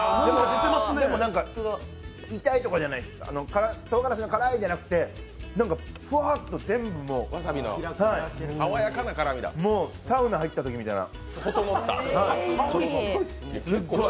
でも痛いとかじゃないです、とうがらしの辛いじゃなくてふわーっと全部もう、サウナ入ったときみたいな。